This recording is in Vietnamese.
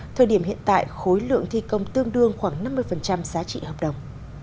thời điểm hiện tại khối lượng thi công tương đương khoảng năm mươi giá trị hợp đồng